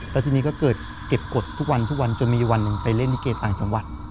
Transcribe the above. แล้วทีนี้ก็เกิดเก็บกฎทุกวันทุกวันจนมีวันหนึ่งไปเล่นลิเกต่างจังหวัด